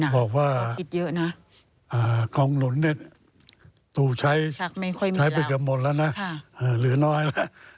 บอกว่ากองหลุนเนี่ยตู่ใช้ไปกับหมดแล้วนะหรือน้อยละ